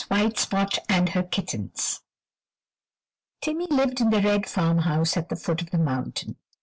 WHITE SPOT AND HER KITTENS Timmy lived in the red farmhouse at the foot of the mountain.